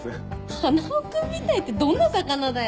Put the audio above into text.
花男君みたいってどんな魚だよ。